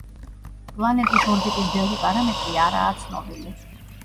პლანეტის ორბიტის ბევრი პარამეტრი არაა ცნობილი.